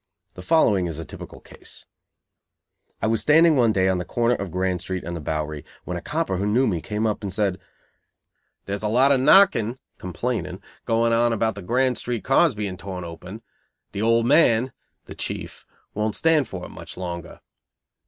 The following is a typical case: I was standing one day on the corner of Grand Street and the Bowery when a copper who knew me came up and said: "There's a lot of knocking (complaining) going on about the Grand Street cars being torn open. The old man (the chief) won't stand for it much longer."